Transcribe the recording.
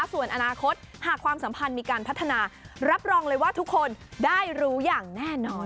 ส่วนอนาคตหากความสัมพันธ์มีการพัฒนารับรองเลยว่าทุกคนได้รู้อย่างแน่นอน